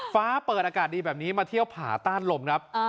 ฟ้าเปิดอากาศดีแบบนี้มาเที่ยวผ่าต้านลมครับ